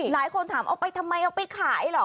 หลายคนถามทำไมเอาไปขายหรอ